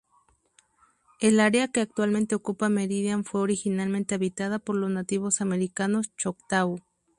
El área que actualmente ocupa Meridian fue originalmente habitada por los nativos americanos choctaw.